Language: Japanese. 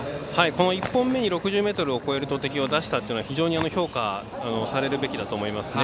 この１本目に６０ｍを超える投てきを出したというのは非常に評価をされるべきだと思いますね。